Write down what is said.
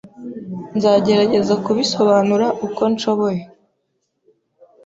Nzagerageza kubisobanura uko nshoboye.